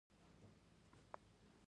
ایا ستاسو چای به تیار وي؟